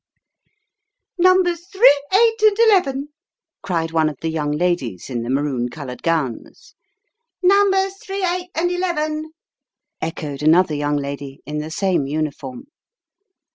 " Numbers three, eight, and eleven !" cried one of the young ladies in the maroon coloured gowns. " Numbers three, eight, and eleven !" echoed another young lady in the same uniform.